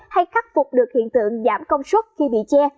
hay khắc phục được hiện tượng giảm công suất khi bị che